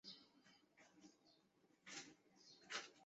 巨海豚是虎鲸般大小的剑吻古豚亲属。